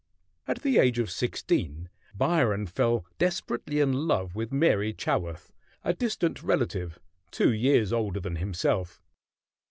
At the age of sixteen Byron fell desperately in love with Mary Chaworth, a distant relative, two years older than himself.